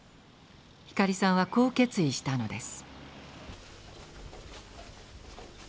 光さんはこう決意したのです。